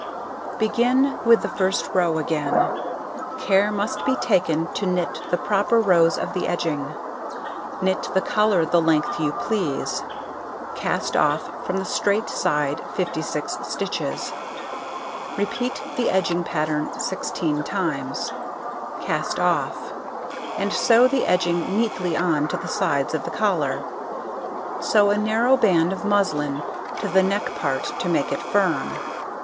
Begin with the first row again. Care must be taken to knit the proper rows of the edging; knit the collar the length you please, cast off from the straight side 56 stitches, repeat the edging pattern 16 times, cast off, and sew the edging neatly on to the sides of the collar; sew a narrow band of muslin to the neck part to make it firm.